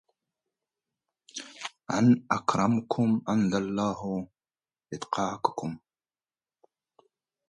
ان اکرمکم عندالله اتقاکم